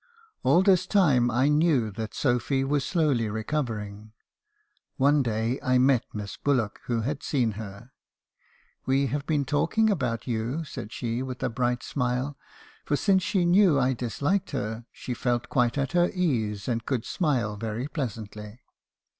"All this time I knew that Sophy was slowly recovering. One day I met Miss Bullock , who had seen her. "* We have been talking about you ,' said she , with a bright smile; for since she knew I disliked her, she felt quite at her 814 i£r. Harbison's confessions. ease, and could smile very pleasantly.